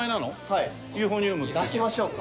はい。出しましょうか？